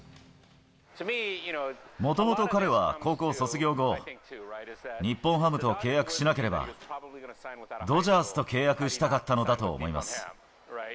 もともと彼は高校卒業後、日本ハムと契約しなければ、ドジャースと契約したかったのだと思います。